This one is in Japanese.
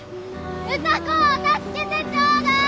歌子を助けてちょうだい！